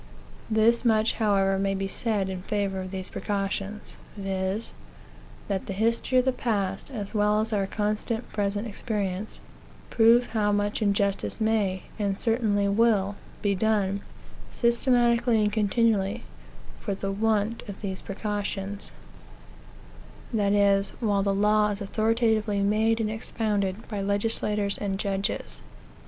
This much, however, may be said in favor of these precautions, viz., that the history of the past, as well as our constant present experience, prove how much injustice may, and certainly will, be done, systematically and continually, for the want of these precautions that is, while the law is authoritatively made and expounded by legislators and judges.